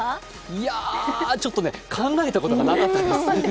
いやー、ちょっと考えたことがなかったです。